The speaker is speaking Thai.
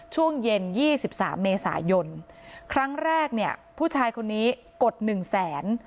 ช่วงเย็นยี่สิบสามเมษายนครั้งแรกเนี่ยผู้ชายคนนี้กดหนึ่งแสน